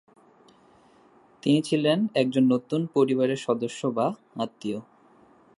তিনি ছিলেন একজন নতুন পরিবারের সদস্য বা আত্মীয়।